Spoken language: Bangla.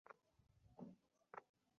দারুণ আনন্দ হচ্ছে।